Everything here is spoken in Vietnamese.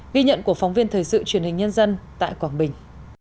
ghi nhận của phóng viên thời sự truyền hình nhân dân tại quảng bình